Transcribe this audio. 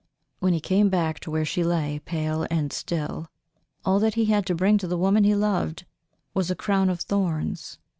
When he came back to where she lay, pale and still, all that he had to bring to the woman he loved was a crown of thorns.